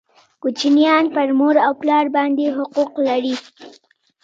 کوچنیان پر مور او پلار باندي حقوق لري